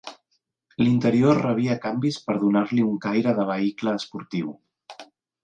L'interior rebia canvis per donar-li un caire de vehicle esportiu.